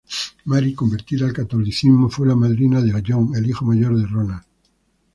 Mary, convertida al catolicismo, fue la madrina de John, el hijo mayor de Ronald.